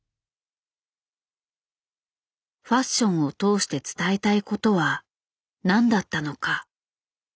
ファッションを通して伝えたいことは何だったのか。